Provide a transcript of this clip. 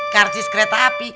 karcis kereta api